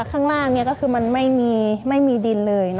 ข้างล่างก็คือมันไม่มีดินเลย